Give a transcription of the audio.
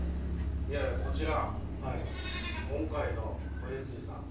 いやいやこちら今回の子羊さん